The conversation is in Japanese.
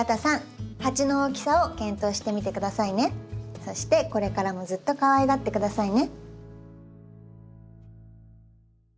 そしてこれからもずっとかわいがって下さいね。